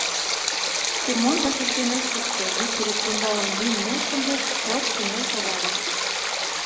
Семон вашештен ыш шукто, Виктыр ӱстембалым дӱҥ мушкындыш, шорт кынел шогале.